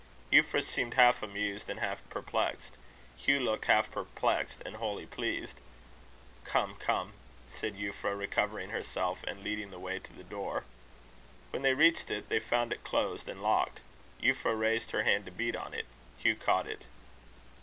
Euphra seemed half amused and half perplexed. Hugh looked half perplexed and wholly pleased. "Come, come," said Euphra, recovering herself, and leading the way to the door. When they reached it, they found it closed and locked. Euphra raised her hand to beat on it. Hugh caught it.